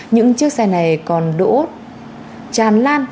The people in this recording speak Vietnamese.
những chiếc xe này còn đỗ chàn lan